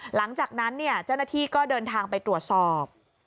หลังจากนั้นเจ้าหน้าที่ก็เดินทางไปตรวจสอบ